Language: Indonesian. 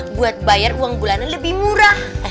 eh diskon buat bayar uang bulanan lebih murah